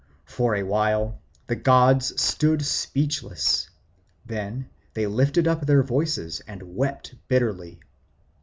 For a while the gods stood speechless, then they lifted up their voices and wept bitterly.